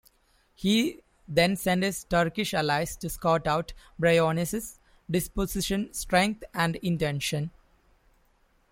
He then sent his Turkish allies to scout out Bryennios's disposition, strength and intentions.